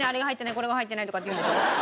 これが入ってないとかって言うんでしょ？